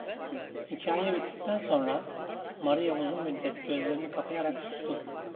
Hikâye bittikten sonra, Maria uzun müddet gözlerini kapayarak sustu.